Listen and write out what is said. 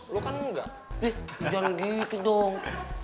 lu kan enggak gitu dong